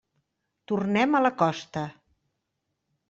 Tornem a la costa.